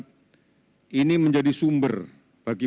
tuhan yang s yearn